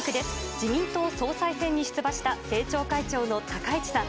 自民党総裁選に出馬した政調会長の高市さん。